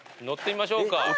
乗ってみましょうか。